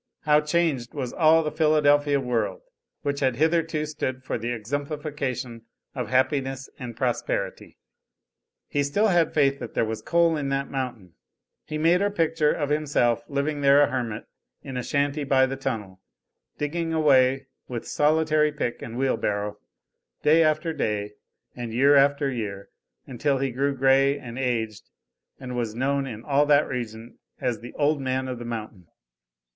How changed was all the Philadelphia world, which had hitherto stood for the exemplification of happiness and prosperity. He still had faith that there was coal in that mountain. He made a picture of himself living there a hermit in a shanty by the tunnel, digging away with solitary pick and wheelbarrow, day after day and year after year, until he grew gray and aged, and was known in all that region as the old man of the mountain.